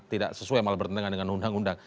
tidak sesuai malah bertentangan dengan undang undang